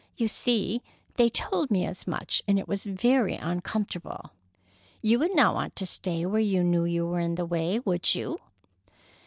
You see, they told me as much, and it was very uncomfortable. You would not want to stay where you knew you were in the way, would you?"